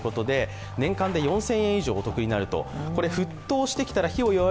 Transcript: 年間で４０００円以上お得になると。